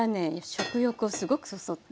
食欲をすごくそそって。